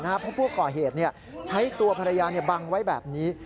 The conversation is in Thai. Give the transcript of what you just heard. เพราะผู้ก่อเหตุใช้ตัวภรรยาบังไว้แบบนี้